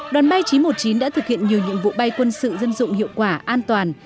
đoàn bay chín trăm một mươi chín đã thực hiện nhiều nhiệm vụ bay quân sự dân dụng hiệu quả an toàn